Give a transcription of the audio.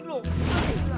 eh bunyi gua